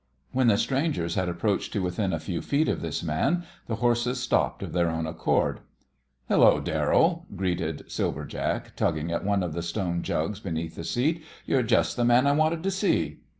When the strangers had approached to within a few feet of this man, the horses stopped of their own accord. "Hello, Darrell," greeted Silver Jack, tugging at one of the stone jugs beneath the seat, "you're just the man I wanted to see."